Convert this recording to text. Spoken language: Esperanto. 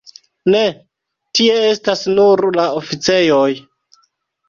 Ne, tie estas nur la oficejoj.